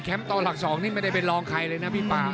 แคมป์ตอนหลัก๒นี่ไม่ได้ไปลองใครเลยนะพี่ป่า